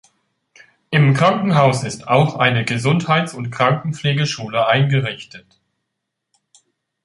Im Krankenhaus ist auch eine Gesundheits- und Krankenpflegeschule eingerichtet.